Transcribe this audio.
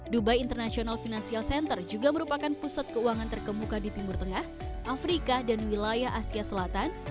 dubai international financial center juga merupakan pusat keuangan terkemuka di timur tengah afrika dan wilayah asia selatan